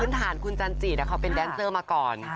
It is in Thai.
ขึ้นฐานคุณจันตร์จิตนะเขาเป็นแดงเซอร์มาก่อน